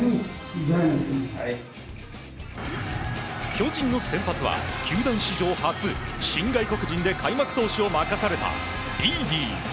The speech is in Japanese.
巨人の先発は球団史上初新外国人で開幕投手を任されたビーディ。